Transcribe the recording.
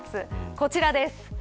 こちらです。